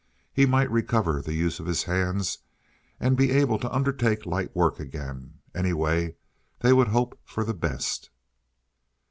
He might recover the use of his hands and be able to undertake light work again. Anyway, they would hope for the best.